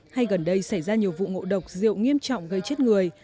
hay gần đây xảy ra nhiều vụ ngộ độc rượu nghiêm trọng gây chết người